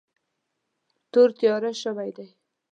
تور تیار شوی دی.